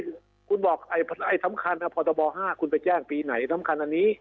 การที่คุณมีคุณบอกไอ้สำคัญพอตะบอห้าคุณไปแจ้งปีไหนสำคัญอันนี้